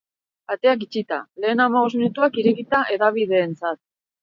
Ateak itxita, lehen hamabost minutuak irekita hedabideentzat.